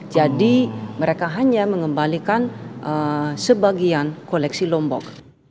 jadi mereka hanya mengembalikan sebagian koleksi lombok